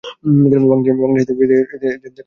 বাংলাদেশে এদের দেখা পাওয়া যায়না বললেই চলে।